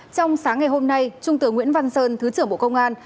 trong sáng ngày hôm nay trung tướng nguyễn văn sơn thứ trưởng bộ công an